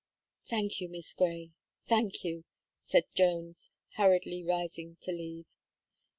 "Thank you, Miss Gray thank you," said Jones, hurriedly rising to leave.